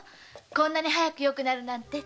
こんなに早くよくなって。